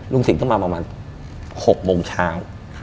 ลุงสิงห์ต้องมาประมาณ๖โมงเช้า